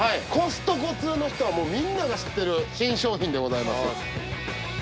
コストコ通の人はみんなが知ってる新商品でございます。